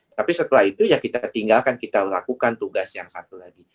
tapi setelah itu ya kita tinggalkan kita lakukan tugas yang satu lagi